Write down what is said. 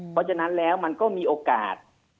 เพราะฉะนั้นแล้วมันก็มีโอกาส